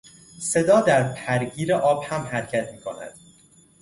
صدا در پرگیر آب هم حرکت میکند.